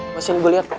masih gue liat